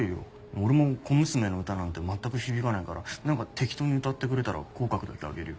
俺も小娘の歌なんて全く響かないから何か適当に歌ってくれたら口角だけ上げるよ。